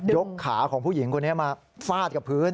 กขาของผู้หญิงคนนี้มาฟาดกับพื้น